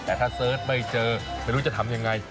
แต่ถ้าเสิร์ชไม่เจอไม่รู้จะทำยังไง